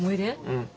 うん。